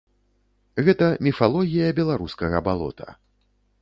Гэта міфалогія беларускага балота.